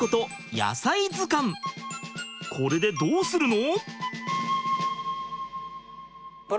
これでどうするの？